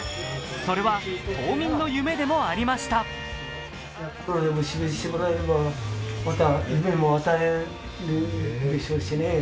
それは島民の夢でもありました。